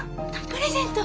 プレゼント！